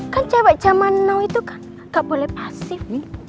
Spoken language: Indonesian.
kan cewek zaman now itu kan gak boleh pasif